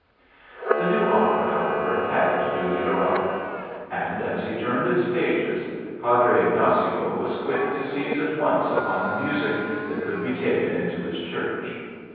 The new opera, however, had duly arrived. And as he turned its pages Padre Ignazio was quick to seize at once upon the music that could be taken into his church.